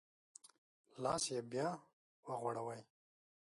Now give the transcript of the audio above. لاس یې بیا وغوړوی.